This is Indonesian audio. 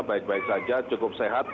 baik baik saja cukup sehat